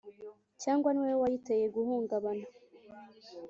Cyangwa ni wowe wayiteye guhungabana